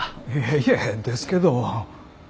いえいえですけど。